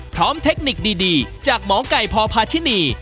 พร้อมเทคนิคดีจากหมอกไก่พพชินี่